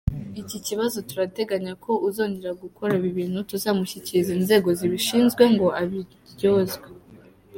Iki kibazo turateganya ko uzongera gukora ibi bintu tuzamushyikiriza izego zibishinzwe ngo abiryozwe.